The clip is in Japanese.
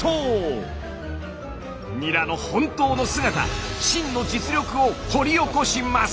ニラの本当の姿真の実力を掘り起こします！